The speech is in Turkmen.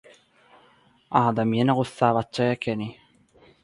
Adam ýene gussa batjak ekeni.